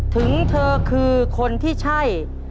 ถึงเธอคือคนที่ใช่